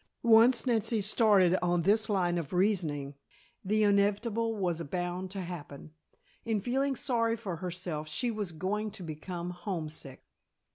Once Nancy started on this line of reasoning the inevitable was bound to happen. In feeling sorry for herself she was going to become homesick!